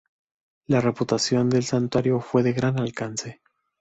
La reputación del santuario fue de gran alcance.